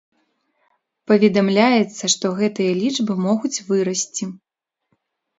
Паведамляецца, што гэтыя лічбы могуць вырасці.